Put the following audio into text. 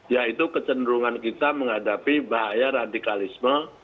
yaitu kecenderungan kita menghadapi bahaya radikalisme